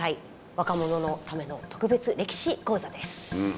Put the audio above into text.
若者のための特別歴史講座です。